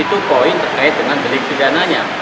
itu poin terkait dengan gelik gelikananya